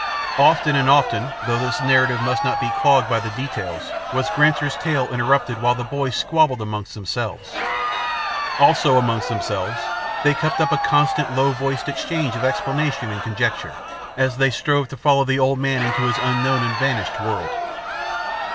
Often and often, though this narrative must not be clogged by the details, was Granser's tale interrupted while the boys squabbled among themselves. Also, among themselves they kept up a constant, low voiced exchange of explanation and conjecture, as they strove to follow the old man into his unknown and vanished world.